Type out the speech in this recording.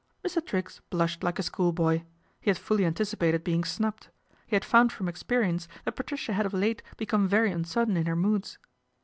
Mr. Triggs blushed like a schoolboy. He had fully anticipated being snubbed. He had found from experience that Patricia had of late become very uncertain in her moods.